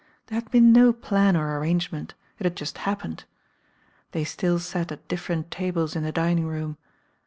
There had been no plan or arrangement; it had just happened. They still sat at different tables in the dining room.